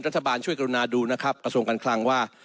รัฐบาลช่วยกรุณาดูนะครับกระทรวงการคลังว่า